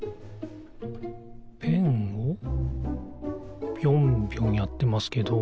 ペンをぴょんぴょんやってますけど。